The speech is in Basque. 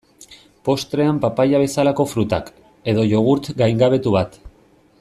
Postrean papaia bezalako frutak, edo jogurt gaingabetu bat.